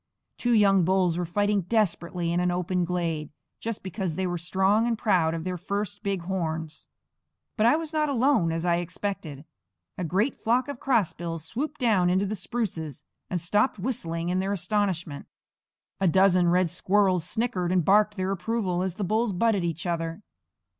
Two young bulls were fighting desperately in an open glade, just because they were strong and proud of their first big horns. But I was not alone, as I expected. A great flock of crossbills swooped down into the spruces, and stopped whistling in their astonishment. A dozen red squirrels snickered and barked their approval, as the bulls butted each other.